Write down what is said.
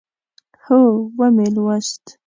هو، ومی لوست